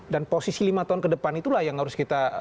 dan posisi lima tahun ke depan itulah yang harus kita